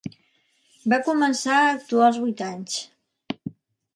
Va començar a actuar als vuit anys.